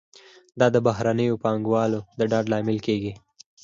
دا د بهرنیو پانګوالو د ډاډ لامل کیږي.